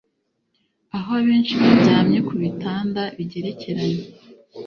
aho abenshi baryamye ku bitanda bigerekeranye